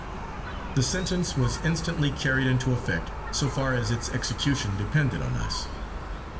The sentence was instantly carried into effect, so far as its execution depended on us.